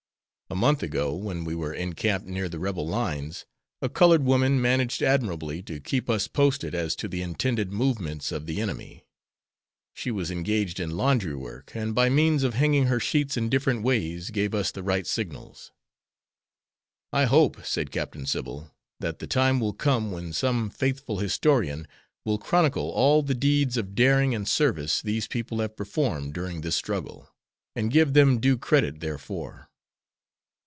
A month ago, when we were encamped near the Rebel lines, a colored woman managed admirably to keep us posted as to the intended movements of the enemy. She was engaged in laundry work, and by means of hanging her sheets in different ways gave us the right signals." "I hope," said Captain Sybil, "that the time will come when some faithful historian will chronicle all the deeds of daring and service these people have performed during this struggle, and give them due credit therefor."